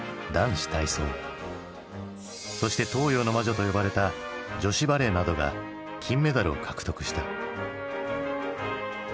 そして「東洋の魔女」と呼ばれた女子バレーなどが金メダルを獲得した。